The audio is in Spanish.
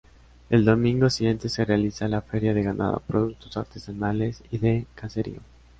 El domingo siguiente se realiza la feria de ganado, productos artesanales y de caserío.